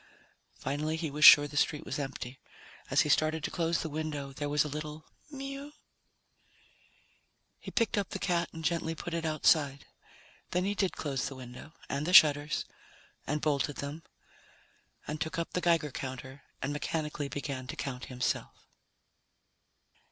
Finally he was sure the street was empty. As he started to close the window, there was a little mew. He picked up the cat and gently put it outside. Then he did close the window, and the shutters, and bolted them, and took up the Geiger counter, and mechanically began to count himself.